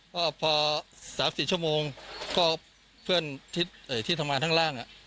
ก็พอ๓๔ชั่วโมงก็เพื่อนที่ทำงานข้างล่าง